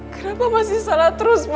kenapa masih salah terus